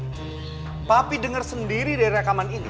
tapi dengar sendiri dari rekaman ini